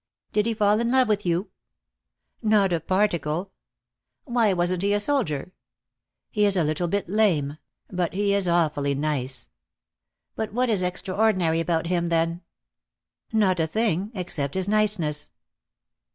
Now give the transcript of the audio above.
"Did he fall in love with your?" "Not a particle." "Why wasn't he a soldier?" "He is a little bit lame. But he is awfully nice." "But what is extraordinary about him, then?" "Not a thing, except his niceness."